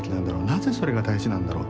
なぜそれが大事なんだろう。